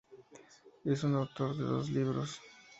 Es autor de dos libros.